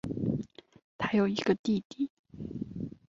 她有一个弟弟。